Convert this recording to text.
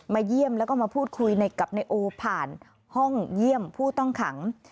เยี่ยมแล้วก็มาพูดคุยกับนายโอผ่านห้องเยี่ยมผู้ต้องขัง